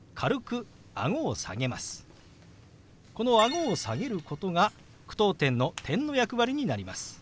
このあごを下げることが句読点の「、」の役割になります。